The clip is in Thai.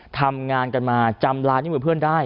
ทำงานกันมาจำลายนิ้วมือเพื่อนได้